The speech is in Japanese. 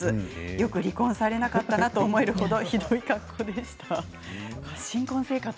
よく離婚されなかったなと思える程ひどい格好でした。